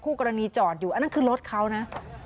กรณีจอดอยู่อันนั้นคือรถเขานะ